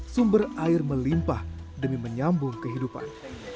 sumber air melimpah demi menyambung kehidupan